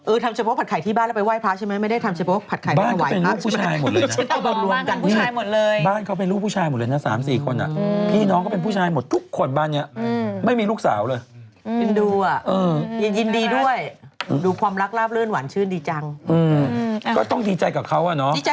เออทำเฉพาะผัดไข่ที่บ้านแล้วไปไหว้พระใช่ไหมไม่ได้ทำเฉพาะผัดไข่ไหว้พระ